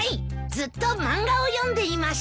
ずっと漫画を読んでいました。